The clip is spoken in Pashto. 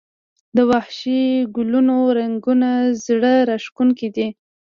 د وحشي ګلونو رنګونه زړه راښکونکي دي